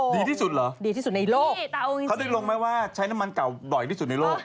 ดีที่สุดเหรอดีที่สุดในโลกเขาได้ลงไหมว่าใช้น้ำมันเก่าด่อยที่สุดในโลก